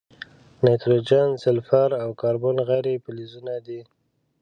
نایتروجن، سلفر، او کاربن غیر فلزونه دي.